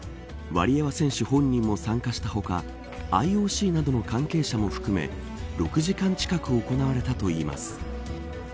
ワリエワ選手本人も参加した他ＩＯＣなどの関係者も含め６時間近く行われたといいます。